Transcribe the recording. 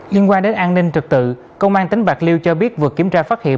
liên quan đến an ninh trực tự công an tỉnh bạc liêu cho biết vừa kiểm tra phát hiện